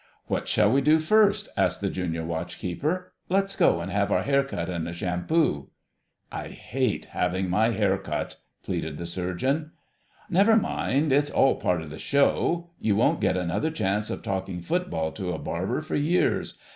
"What shall we do first?" asked the Junior Watch keeper. "Let's go and have our hair cut and a shampoo." "I hate having my hair cut," pleaded the Surgeon. "Never mind: it's all part of the show. You won't get another chance of talking football to a barber for years....